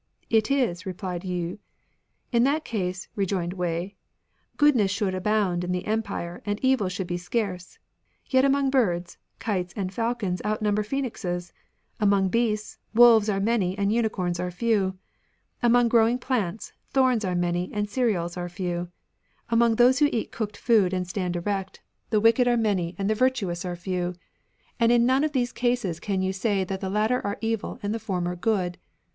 " It is," repUed Yii. "In that case," rejoined Wei, "goodness should abound in the Empire and evil should be scarce. Yet among birds, kites and falcons out number phoenixes ; among beasts, wolves are many and unicorns are few ; among growing plants, thorns are many and cereals are few ; among those who eat cooked food and stand erects 56 MATERIALISM the wicked are many and the virtuous are few ; and in none of these oases can you say that the latter are evil and the former good.